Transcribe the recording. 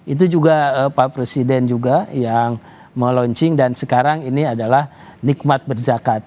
itu juga pak presiden juga yang meluncing dan sekarang ini adalah nikmat berzakat